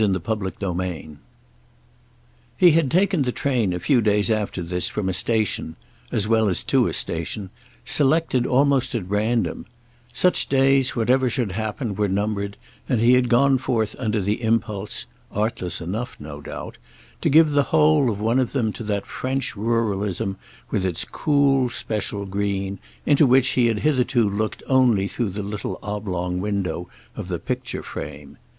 "Ah but she hasn't done it yet!" III He had taken the train a few days after this from a station—as well as to a station—selected almost at random; such days, whatever should happen, were numbered, and he had gone forth under the impulse—artless enough, no doubt—to give the whole of one of them to that French ruralism, with its cool special green, into which he had hitherto looked only through the little oblong window of the picture frame.